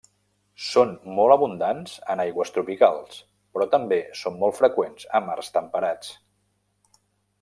Són molt abundants en aigües tropicals, però també són molt freqüents a mars temperats.